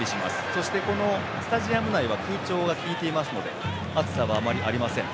そして、スタジアム内は空調がきいていますので暑さはあんまりありません。